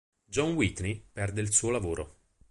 John Whitney perde il suo lavoro.